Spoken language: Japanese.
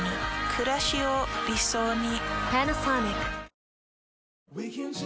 くらしを理想に。